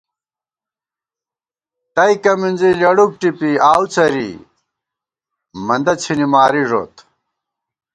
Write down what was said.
تَئیکہ مِنزی لېڑوک ٹِپی آؤڅَرِی مندہ څِھنی ماری ݫوت